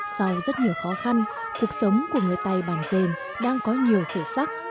sau rất nhiều khó khăn cuộc sống của người tây bản dên đang có nhiều khởi sắc